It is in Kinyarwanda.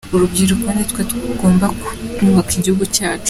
Urubyiruko ni twe tugomba kubaka igihugu cyacu.